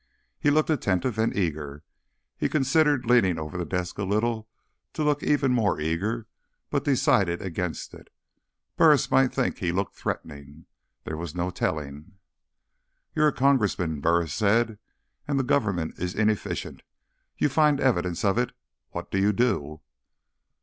He looked attentive and eager. He considered leaning over the desk a little, to look even more eager, but decided against it; Burris might think he looked threatening. There was no telling. "You're a congressman," Burris said, "and the government is inefficient. You find evidence of it. What do you do?"